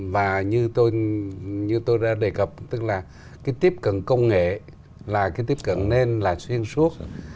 và như tôi như tôi đã đề cập tức là cái tiếp cận công nghệ là cái tiếp cận nên là xuyên suốt